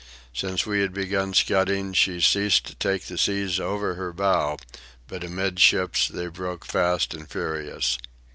Since we had begun scudding she had ceased to take the seas over her bow, but amidships they broke fast and furious.